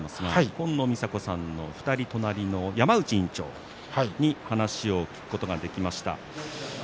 紺野美沙子さんの２人隣の山内委員長に話を聞くことができました。